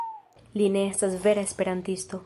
Li ne estas vera esperantisto